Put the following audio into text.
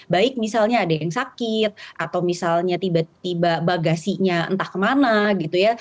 baik misalnya ada yang sakit atau misalnya tiba tiba bagasinya entah kemana gitu ya